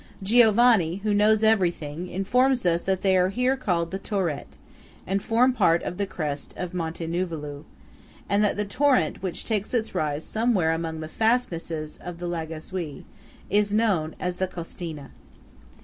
Giovanni, who knows everything, informs us that they are here called the Torette, and form part of the crest of Monte Nuvulau; and that the torrent, which takes its rise somewhere among the fastnesses of Lagazuoi, is known as the Costeana.